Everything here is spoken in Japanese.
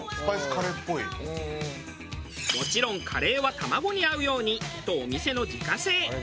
もちろんカレーは卵に合うようにとお店の自家製。